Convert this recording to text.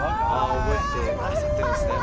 覚えてくださっているんですね。